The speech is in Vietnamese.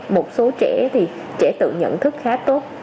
một số trẻ thì trẻ tự nhận thức khá tốt